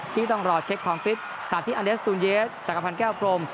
ที่ต้องรอเช็คความฟิตขณะที่อเดสตูนเยสจักรพันธ์แก้วพรม